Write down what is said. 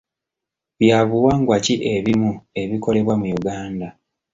Bya buwangwa ki ebimu ebikolebwa mu Uganda?